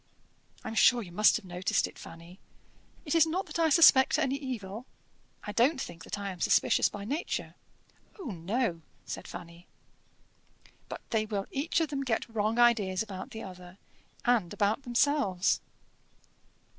I am sure you must have noticed it, Fanny. It is not that I suspect any evil. I don't think that I am suspicious by nature." "Oh! no," said Fanny. "But they will each of them get wrong ideas about the other, and about themselves.